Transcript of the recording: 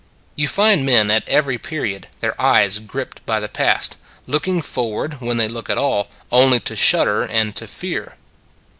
You find men at every period, their eyes gripped by the past, looking forward, when they look at all, only to shudder and to fear.